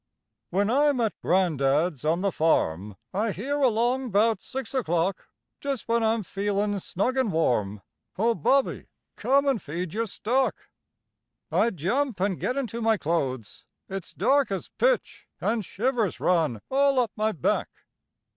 When I'm at gran'dad's on the farm, I hear along 'bout six o'clock, Just when I'm feelin' snug an' warm, "Ho, Bobby, come and feed your stock." I jump an' get into my clothes; It's dark as pitch, an' shivers run All up my back.